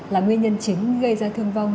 là nguyên nhân chính gây ra thương vong